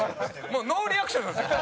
もうノーリアクションなんですよ。